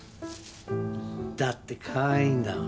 だってかわいいんだもん。